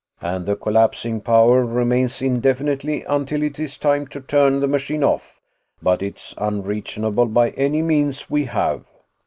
And the collapsing power remains indefinitely until it is time to turn the machine off, but it's unreachable by any means we have.